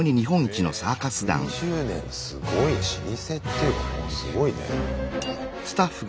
すごい老舗っていうかすごいね。